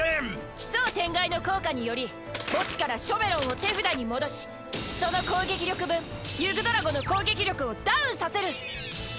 奇装天鎧の効果により墓地からショベロンを手札に戻しその攻撃力分ユグドラゴの攻撃力をダウンさせる！